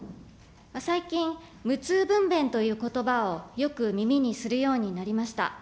最近、無痛分娩ということばをよく耳にするようになりました。